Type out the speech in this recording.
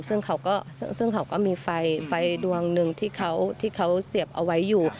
ซึ่งเขาก็มีไฟดวงหนึ่งที่เขาเสียบเอาไว้อยู่